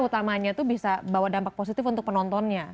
utamanya itu bisa bawa dampak positif untuk penontonnya